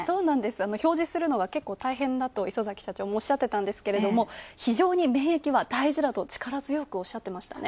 表示するのが結構大変だと磯崎社長もおっしゃっていたんですけれども、非常に免疫は大事だと力強くおっしゃっていましたね。